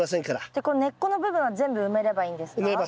じゃあこの根っこの部分は全部埋めればいいんですか？